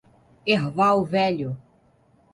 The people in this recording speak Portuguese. Erval Velho